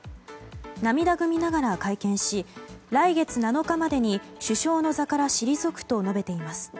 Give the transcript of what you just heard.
涙ぐみながら会見し来月７日までに首相の座から退くと述べています。